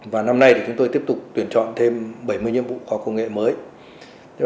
và năm nay thì chúng tôi tiếp tục tuyển chọn thêm bảy mươi nhiệm vụ khoa học công nghệ mới